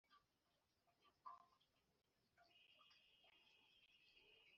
Bene kohati ni amuramu na isuhari na heburoni